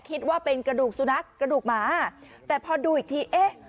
คิดว่าเป็นกระดูกสุนัขกระดูกหมาแต่พอดูอีกทีเอ๊ะ